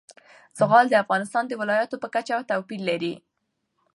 زغال د افغانستان د ولایاتو په کچه توپیر لري.